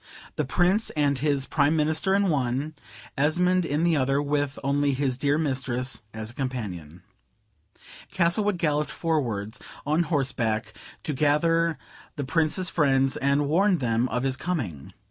The Prince and his Prime Minister in one, Esmond in the other, with only his dear mistress as a companion. Castlewood galloped forwards on horseback to gather the Prince's friends and warn them of his coming.